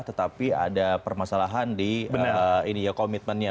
tetapi ada permasalahan di komitmennya